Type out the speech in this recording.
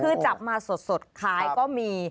คือจับมาสดขายก็มี